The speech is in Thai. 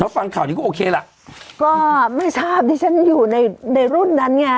ฟังข่าวนี้ก็โอเคล่ะก็ไม่ทราบดิฉันอยู่ในในรุ่นนั้นไง